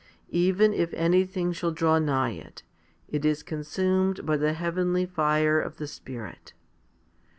Even if anything shall draw nigh it, it is consumed by the heavenly fire of the Spirit.